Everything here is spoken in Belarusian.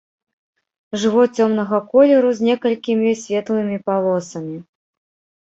Жывот цёмнага колеру з некалькімі светлымі палосамі.